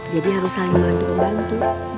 jadi harus saling bantu bantu